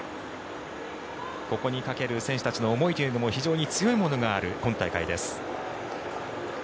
ここにかける選手たちの思いというのも非常に強いものがある今大会です。